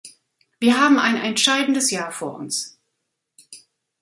Wir haben ein entscheidendes Jahr vor uns.